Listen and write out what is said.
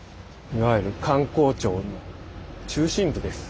いわゆる官公庁の中心部です。